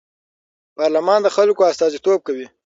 پارلمان د خلکو استازیتوب کوي